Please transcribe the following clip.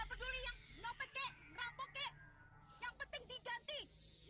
pake yang penting diganti